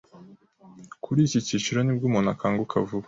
Kuri icyi cyiciro nibwo umuntu akanguka vuba